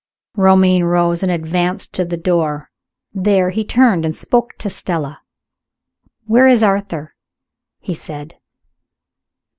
Romayne rose, and advanced to the door. There, he turned, and spoke to Stella. "Where is Arthur?" he said.